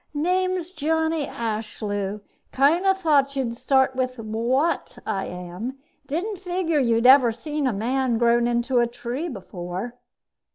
"Name's Johnny Ashlew. Kinda thought you'd start with what I am. Didn't figure you'd ever seen a man grown into a tree before."